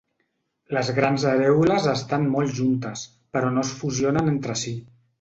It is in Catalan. Les grans arèoles estan molt juntes, però no es fusionen entre si.